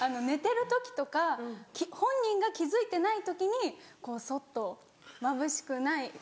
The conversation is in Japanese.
寝てる時とか本人が気付いてない時にこうそっとまぶしくない